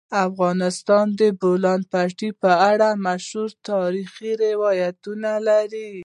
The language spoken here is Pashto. افغانستان د د بولان پټي په اړه مشهور تاریخی روایتونه لري.